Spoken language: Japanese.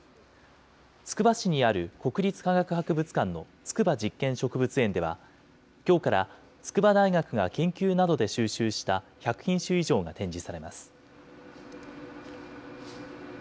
つくば市にある国立科学博物館の筑波実験植物園では、きょうから筑波大学が研究などで収集した１００品種以上が展示されます。